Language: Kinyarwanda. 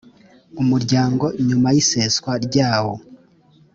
umuryango nyuma y iseswa ryawo